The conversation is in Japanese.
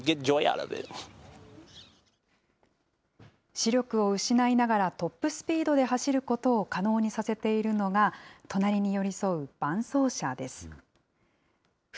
視力を失いながら、トップスピードで走ることを可能にさせているのが、隣に寄り添う伴走者です。